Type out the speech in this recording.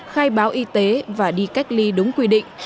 khai báo y tế và đi cách ly đúng quy định